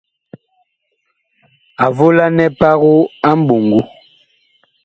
A volanɛ pago a mɓoŋgo.